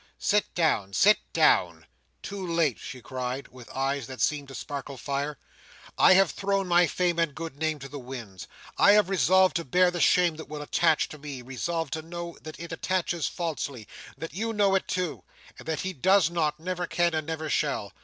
Sit down, sit down!" "Too late!" she cried, with eyes that seemed to sparkle fire. "I have thrown my fame and good name to the winds! I have resolved to bear the shame that will attach to me—resolved to know that it attaches falsely—that you know it too—and that he does not, never can, and never shall.